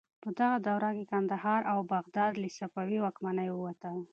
په دغه دوره کې کندهار او بغداد له صفوي واکمنۍ ووتل.